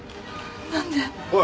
おい。